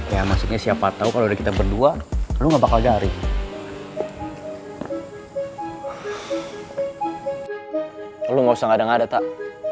ya maksudnya siapa tahu kalau kita berdua lu nggak bakal jari lu nggak usah ngadeng adeng tak